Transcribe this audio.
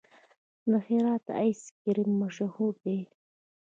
د هرات آیس کریم مشهور دی؟